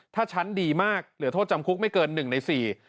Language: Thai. ถ้าชั้นดีมากเหลือโทษจำคุกไม่เกิน๑ใน๔